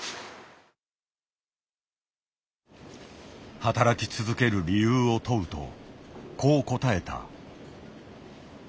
働き続ける理由を問うとこう答えた。